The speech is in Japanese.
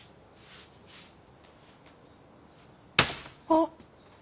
あっ。